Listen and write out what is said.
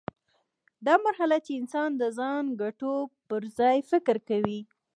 دا مرحله چې انسان د ځان ګټو پر ځای فکر کوي.